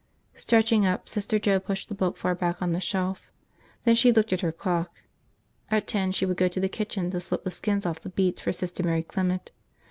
Stretching up, Sister Joe pushed the book far back on the shelf. Then she looked at her clock. At ten, she would go to the kitchen to slip the skins off the beets for Sister Mary Clement.